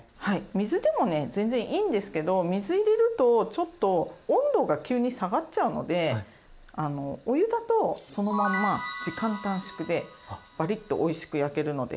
水でもね全然いいんですけど水入れるとちょっと温度が急に下がっちゃうのでお湯だとそのまんま時間短縮でバリッとおいしく焼けるので。